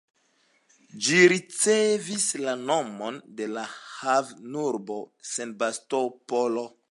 Ĝi ricevis la nomon de la havenurbo Sebastopolo.